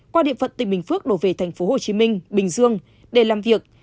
qua điện phận tỉnh bình phước đổ về thành phố hồ chí minh bình dương để làm việc